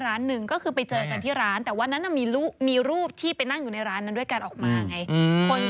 หนึ่งก็คือไปเจอกันที่ร้านแต่วันนั้นมีรูปที่ไปนั่งอยู่ในร้านนั้นด้วยกันออกมาไง